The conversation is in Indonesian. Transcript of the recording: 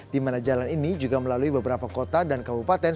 dimana jalan ini juga melalui beberapa kota dan kabupaten